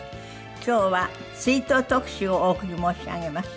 今日は追悼特集をお送り申し上げます。